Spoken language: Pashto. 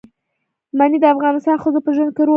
منی د افغان ښځو په ژوند کې رول لري.